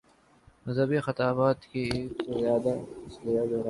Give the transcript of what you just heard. مذہبی خطابت میں ایک سے زیادہ اسالیب رائج رہے ہیں۔